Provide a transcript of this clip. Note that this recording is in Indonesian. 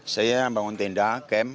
saya membangun tenda kem